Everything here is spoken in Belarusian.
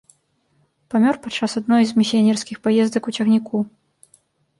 Памёр падчас адной з місіянерскіх паездак у цягніку.